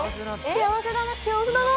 幸せだな。